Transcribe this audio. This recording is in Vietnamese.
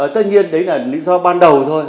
tất nhiên đấy là lý do ban đầu thôi